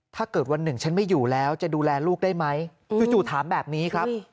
ถ้าเกิดวันหนึ่งฉันไม่อยู่แล้วจะดูแลลูกได้ไหมจู่ถามแบบนี้ครับ